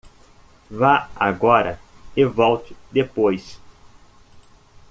Vá agora e volte depois.